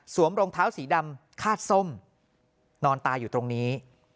รองเท้าสีดำคาดส้มนอนตายอยู่ตรงนี้